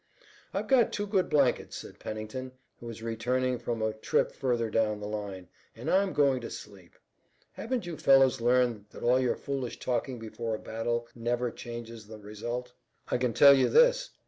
"I've got two good blankets," said Pennington, who was returning from a trip further down the line, "and I'm going to sleep. Haven't you fellows learned that all your foolish talking before a battle never changes the result? I can tell you this.